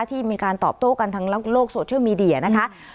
ที่มีการตอบโต้กันทางโลกโซเชียลมีเดียนะคะ